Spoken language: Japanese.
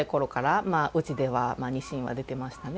小さいころから、うちではにしんは出てましたね。